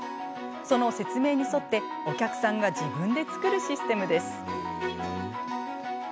その説明に沿ってお客さんが自分で作るシステムです。